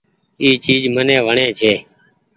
اي چيز مني وڻي ڇي۔